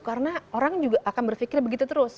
karena orang juga akan berpikir begitu terus